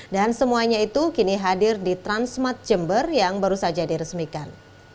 dan semuanya itu kini hadir di transmart jember yang baru saja diresmikan